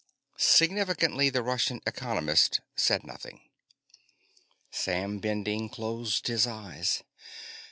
Significantly, the Russian economist said nothing. Sam Bending closed his eyes.